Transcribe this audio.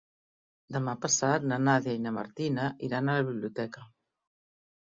Demà passat na Nàdia i na Martina iran a la biblioteca.